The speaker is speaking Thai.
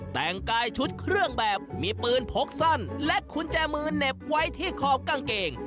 แต่งกายชุดเครื่องแบบมีปืนพกสั้นและกุญแจมือเหน็บไว้ที่ขอบกางเกง